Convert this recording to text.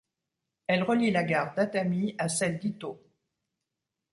Elle relie la gare d'Atami à celle d'Itō.